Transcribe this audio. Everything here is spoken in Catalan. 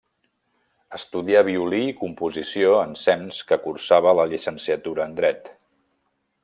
Estudià violí i composició ensems que cursava la llicenciatura en Dret.